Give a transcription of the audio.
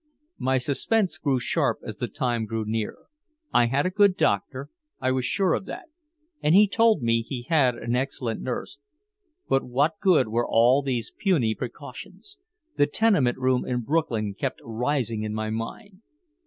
My suspense grew sharp as the time drew near. I had a good doctor, I was sure of that, and he told me he had an excellent nurse. But what good were all these puny precautions? The tenement room in Brooklyn kept rising in my mind.